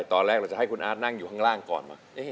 ตอนแรกเราจะให้คุณอาร์ตนั่งอยู่ข้างล่างก่อนไหม